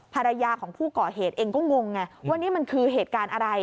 ภรรยาของผู้ก่อเหตุเองก็งงไงว่านี่มันคือเหตุการณ์อะไร